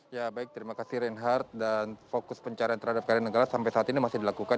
ya baik terima kasih reinhardt dan fokus pencarian terhadap kri nanggala sampai saat ini masih dilakukan